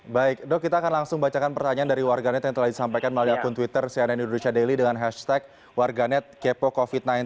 baik dok kita akan langsung bacakan pertanyaan dari warganet yang telah disampaikan melalui akun twitter cnn indonesia daily dengan hashtag warganet kepo covid sembilan belas